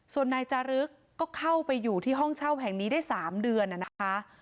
ส่วนนายจารึกก็เข้าไปอยู่ที่ห้องเช่าแห่งนี้ได้๓เดือนนะคะ